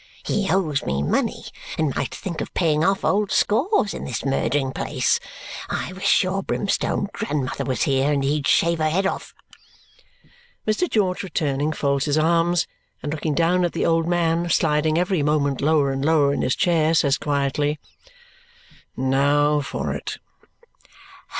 "He owes me money, and might think of paying off old scores in this murdering place. I wish your brimstone grandmother was here, and he'd shave her head off." Mr. George, returning, folds his arms, and looking down at the old man, sliding every moment lower and lower in his chair, says quietly, "Now for it!"